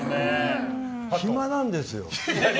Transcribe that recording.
暇なんですよ。